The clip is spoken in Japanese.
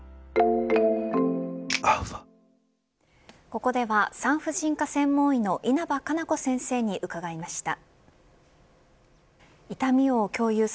ここでは産婦人科専門医の稲葉可奈子先生に伺いました。